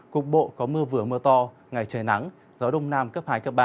cục bộ có mưa vừa mưa to ngày trời nắng gió đông nam cấp hai cấp ba